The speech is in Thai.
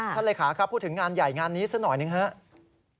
ครับท่านเหลอขาครับพูดถึงงานใหญ่งานนี้สักหน่อยหนึ่งด้วย